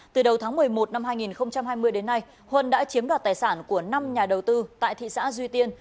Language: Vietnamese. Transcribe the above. từ đầu tháng một mươi một năm hai nghìn hai mươi đến nay huân đã chiếm đoạt tài sản của năm nhà đầu tư tại thị xã duy tiên